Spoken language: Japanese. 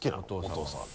お父さんは。